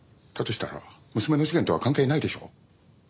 したら娘の事件とは関係ないでしょう。